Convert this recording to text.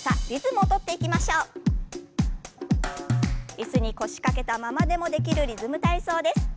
椅子に腰掛けたままでもできるリズム体操です。